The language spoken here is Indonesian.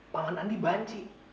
paman andi banci